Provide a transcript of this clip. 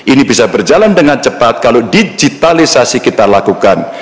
ini bisa berjalan dengan cepat kalau digitalisasi kita lakukan